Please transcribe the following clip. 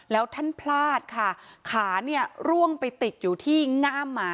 แล้วท่านพลาดค่ะขาเนี่ยร่วงไปติดอยู่ที่ง่ามหมา